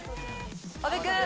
阿部君！